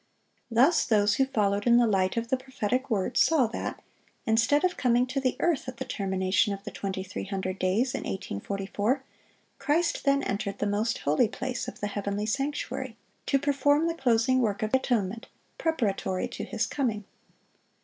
(695) Thus those who followed in the light of the prophetic word saw that, instead of coming to the earth at the termination of the 2300 days in 1844, Christ then entered the most holy place of the heavenly sanctuary, to perform the closing work of atonement, preparatory to His coming.